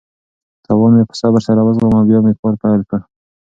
تاوان مې په صبر سره وزغمه او بیا مې کار پیل کړ.